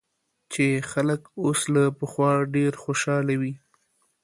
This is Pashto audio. چې خلک اوس له پخوا ډېر خوشاله وي